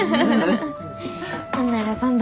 ほんならばんば。